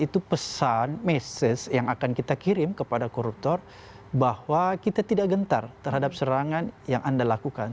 itu pesan mesej yang akan kita kirim kepada koruptor bahwa kita tidak gentar terhadap serangan yang anda lakukan